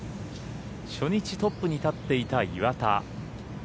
初日トップに立っていた岩田。